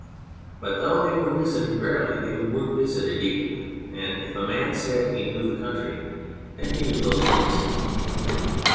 But though they were visited rarely they were visited equally, and if a man said he knew the county then he knew those places.